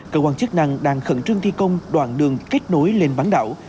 cơ quan chức năng đang khẩn trương thi công đoạn đường kết nối lên bán đảo